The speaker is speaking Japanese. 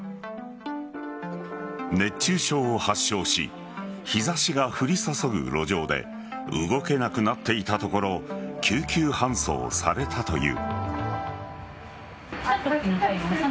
熱中症を発症し日差しが降り注ぐ路上で動けなくなっていたところ救急搬送されたという。